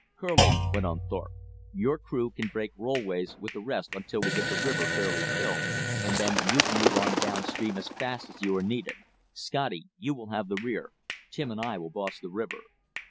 "Kerlie," went on Thorpe, "your crew can break rollways with the rest until we get the river fairly filled, and then you can move on down stream as fast as you are needed. Scotty, you will have the rear. Tim and I will boss the river."